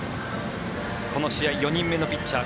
この試合、４人目のピッチャー